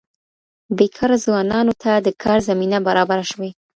بېکاره ځوانانو ته د کار زمینه برابره شوې.